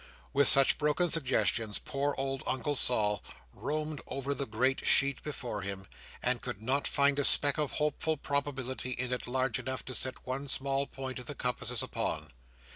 With such broken suggestions, poor old Uncle Sol roamed over the great sheet before him, and could not find a speck of hopeful probability in it large enough to set one small point of the compasses upon.